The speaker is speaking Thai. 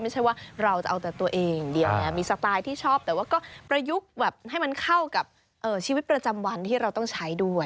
ไม่ใช่ว่าเราจะเอาแต่ตัวเองเดียวไงมีสไตล์ที่ชอบแต่ว่าก็ประยุกต์แบบให้มันเข้ากับชีวิตประจำวันที่เราต้องใช้ด้วย